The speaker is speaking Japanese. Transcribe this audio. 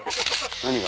何が？